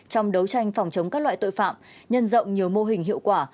trong đấu tranh phòng chống các loại tội phạm nhân rộng nhiều mô hình hiệu quả